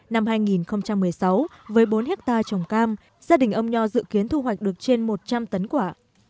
năm hai nghìn một mươi sáu với bốn hectare trồng cam gia đình ông nho dự kiến thu hoạch được trên một trăm linh tấn quả